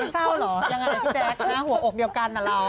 เศร้าเหรอยังไงพี่แจ๊คนะหัวอกเดียวกันนะเรา